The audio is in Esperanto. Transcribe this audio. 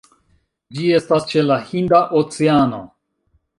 Ĝi estas ĉe la Hinda Oceano.